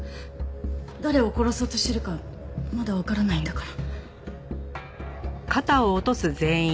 誰を殺そうとしてるかまだわからないんだから。